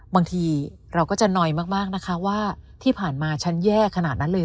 บางทีเราก็จะนอยมากนะคะว่าที่ผ่านมาฉันแย่ขนาดนั้นเลย